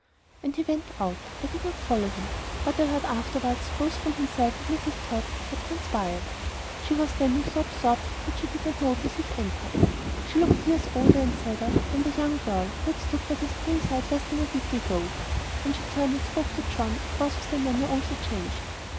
And he went out. I did not follow him; but I heard afterwards, both from himself and Mrs. Tod, what transpired. She was standing so absorbed that she did not notice his entrance. She looked years older and sadder than the young girl who had stood by the stream side less than a week ago. When she turned and spoke to John it was with a manner also changed.